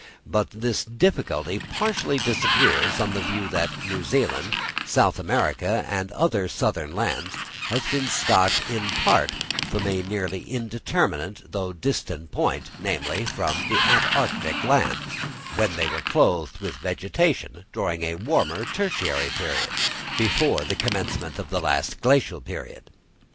But this difficulty partially disappears on the view that New Zealand, South America, and the other southern lands, have been stocked in part from a nearly intermediate though distant point, namely, from the antarctic islands, when they were clothed with vegetation, during a warmer tertiary period, before the commencement of the last Glacial period.